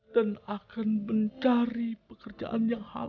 akan mencari pekerjaan yang halal